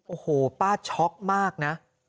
โอ้โหป้าช็อกมากนะ